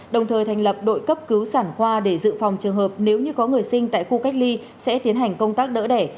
đồng thời thành lập đội cấp cứu sản khoa để dự phòng trường hợp nếu như có người sinh tại khu cách ly sẽ tiến hành công tác đỡ đẻ